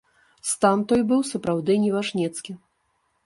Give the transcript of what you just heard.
Стан той быў сапраўды неважнецкі.